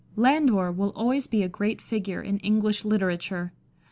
jANDOR will always be a great figure in English literature.